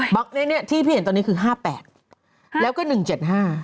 บั๊กนี้ที่พี่เห็นตอนนี้คือ๕๘แล้วก็๑๗๕